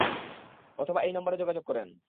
অথবা এই নাম্বারে যোগাযোগ করেন।